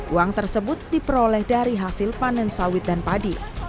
uang tersebut diperoleh dari hasil panen sawit dan padi